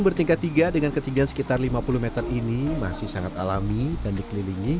bertingkat tiga dengan ketinggian sekitar lima puluh m ini masih sangat alami dan dikelilingi